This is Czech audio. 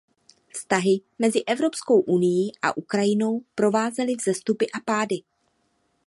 Vztahy mezi Evropskou unií a Ukrajinou provázely vzestupy a pády.